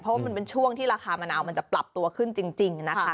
เพราะว่ามันเป็นช่วงที่ราคามะนาวมันจะปรับตัวขึ้นจริงนะคะ